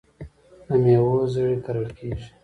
د میوو زړې کرل کیږي.